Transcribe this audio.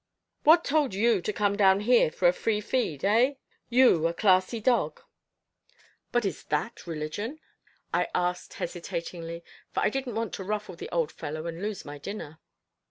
What told you to come down here for a free feed, hey? You, a classy dog." "But is that religion?" I asked hesitatingly, for I didn't want to ruffle the old fellow and lose my dinner.